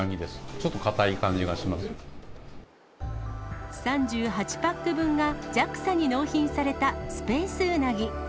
ちょっと硬い３８パック分がＪＡＸＡに納品されたスペースうなぎ。